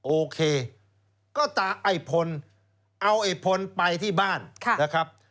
โอเคก็ตาไอ้พลเอาไอ้พลไปที่บ้านนะครับ